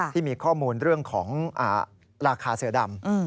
ที่มีข้อมูลเรื่องของราคาเสือดำ